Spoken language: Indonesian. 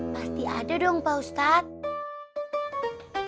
pasti ada dong pak ustadz